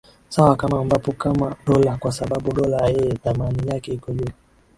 sawa kama ambapo kama dola kwa sababu dola eee dhamani yake iko juu